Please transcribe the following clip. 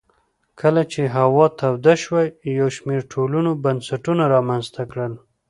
کله چې هوا توده شوه یو شمېر ټولنو بنسټونه رامنځته کړل